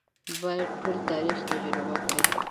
باید ټول تاریخ تجربه کړي.